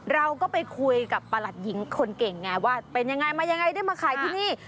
เราก็ไปคุยกับประหลัดหญิงคนเก่งไงว่าเป็นยังไงมายังไงได้มาขายที่นี่